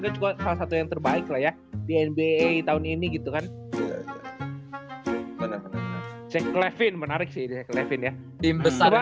ke juga salah satu yang terbaik layak di nba tahun ini gitu kan bener bener